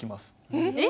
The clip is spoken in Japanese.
えっ？